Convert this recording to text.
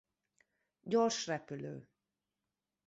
Gyors repülő.